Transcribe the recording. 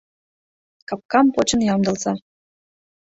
Капкам почын ямдылыза.